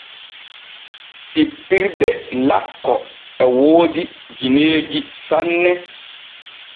Sippirde lakko e woodi gineeji sanne.